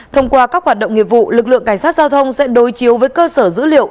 thông qua các hoạt động nghiệp vụ lực lượng cảnh sát giao thông sẽ đối chiếu với cơ sở dữ liệu